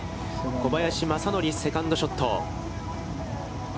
小林正則、セカンドショット。